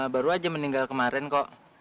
baru aja meninggal kemarin kok